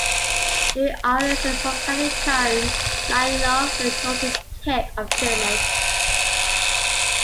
Hiri island is a volcanic cone lying off the northern tip of Ternate.